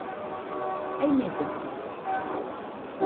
Aimetaitɨkue